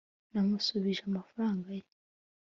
namusubije amafaranga ye